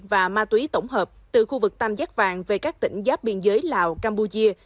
và ma túy tổng hợp từ khu vực tam giác vàng về các tỉnh giáp biên giới lào campuchia